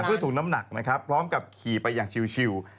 เพื่อถุงน้ำหนักนะครับพร้อมกับขี่ไปอย่างชิว